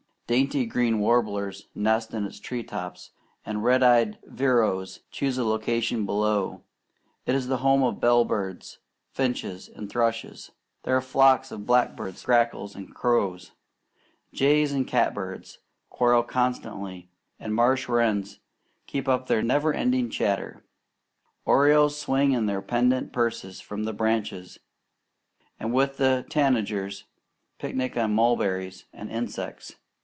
Dainty green warblers nest in its tree tops, and red eyed vireos choose a location below. It is the home of bell birds, finches, and thrushes. There are flocks of blackbirds, grackles, and crows. Jays and catbirds quarrel constantly, and marsh wrens keep up never ending chatter. Orioles swing their pendent purses from the branches, and with the tanagers picnic on mulberries and insects.